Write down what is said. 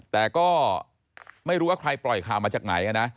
แต่ก็ไม่รู้ว่าใครปล่อยข่าวมาจากไหนนะ